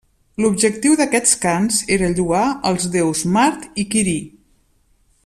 L'objectiu d'aquests cants era lloar els déus Mart i Quirí.